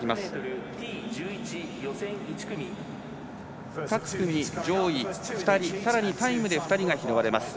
各組上位２人さらにタイムで２人が拾われます。